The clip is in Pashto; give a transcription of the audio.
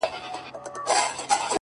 زه وايم راسه شعر به وليكو;